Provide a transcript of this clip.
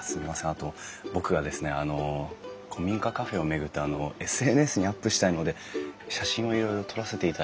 あと僕がですねあの古民家カフェを巡ってＳＮＳにアップしたいので写真をいろいろ撮らせていただいてもよろしいですか？